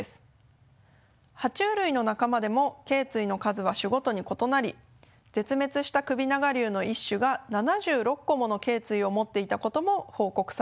は虫類の仲間でもけい椎の数は種ごとに異なり絶滅した首長竜の一種が７６個ものけい椎を持っていたことも報告されています。